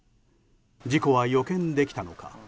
事故は予見できたのか。